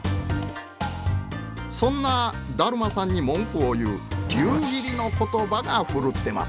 そんな達磨さんに文句を言う夕霧の言葉がふるってます。